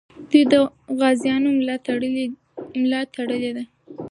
دوی د غازیانو ملا تړلې ده.